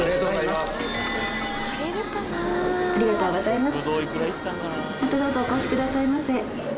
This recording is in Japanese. またどうぞお越しくださいませ。